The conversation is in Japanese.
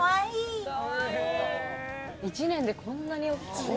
１年でこんなに大きい。